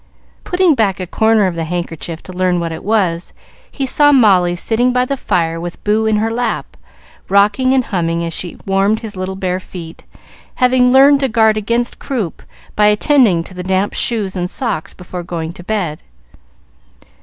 Putting back a corner of the handkerchief to learn what it was, he saw Molly sitting by the fire with Boo in her lap, rocking and humming as she warmed his little bare feet, having learned to guard against croup by attending to the damp shoes and socks before going to bed.